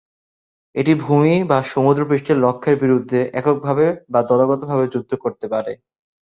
এটি ভূমি বা সমুদ্রপৃষ্ঠের লক্ষ্যের বিরুদ্ধে এককভাবে বা দলগতভাবে যুদ্ধ করতে পারে।